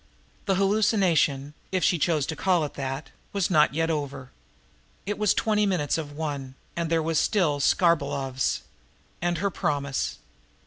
The hallucination, if she chose to call it that, was not yet over! It was twenty minutes of one, and there was still Skarbolov's and her promise.